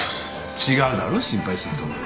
違うだろ心配するところが。